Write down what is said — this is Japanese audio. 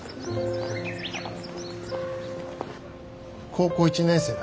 高校１年生だ。